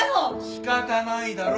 仕方ないだろ！